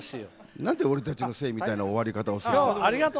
なんで俺たちが悪いみたいな終わり方をするの？